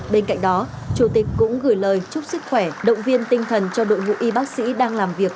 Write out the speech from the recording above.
bên cạnh đó chủ tịch cũng gửi lời chúc sức khỏe động viên tinh thần cho đội ngũ y bác sĩ đang làm việc